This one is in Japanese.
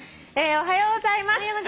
おはようございます。